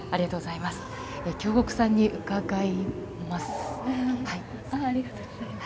京極さんに伺います。